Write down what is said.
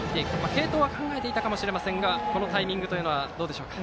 継投は考えていたかもしれませんがこのタイミングというのはどうでしょうか。